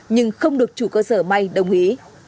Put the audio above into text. nhưng không được chủ cơ sở may đồng ý